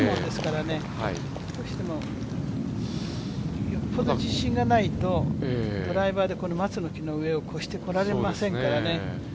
どうしても、よっぽど自信がないとドライバーでこの松の木の上を越してこられませんからね。